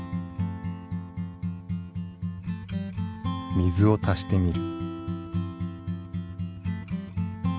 水を足してみる。